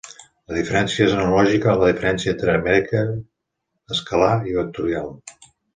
La diferència és analògica a la diferència entre aritmètica escalar i vectorial.